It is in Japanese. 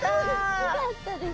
大きかったです。